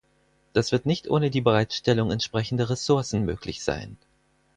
Das wird nicht ohne die Bereitstellung entsprechender Ressourcen möglich sein.